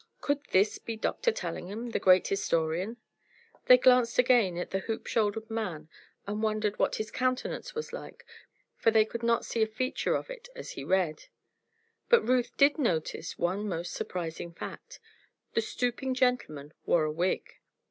Could this be Doctor Tellingham, the great historian? They glanced again at the hoop shouldered man and wondered what his countenance was like, for they could not see a feature of it as he read. But Ruth did notice one most surprising fact. The stooping gentleman wore a wig.